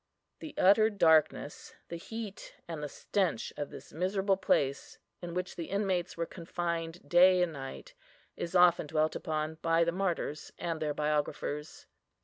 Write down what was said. The utter darkness, the heat, and the stench of this miserable place, in which the inmates were confined day and night, is often dwelt upon by the martyrs and their biographers.